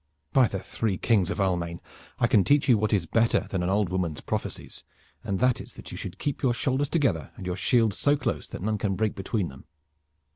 By the three kings of Almain! I can teach you what is better than an old woman's prophecies, and that is that you should keep your shoulders together and your shields so close that none can break between them.